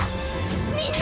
みんな！